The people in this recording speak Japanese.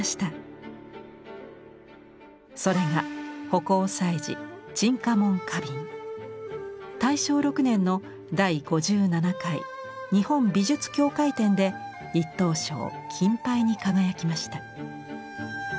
それが大正６年の第５７回日本美術協会展で１等賞金牌に輝きました。